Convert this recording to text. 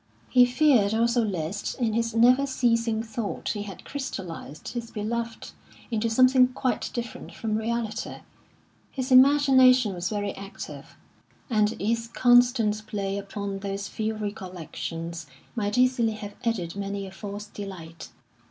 He feared also lest in his never ceasing thought he had crystallised his beloved into something quite different from reality. His imagination was very active, and its constant play upon those few recollections might easily have added many a false delight.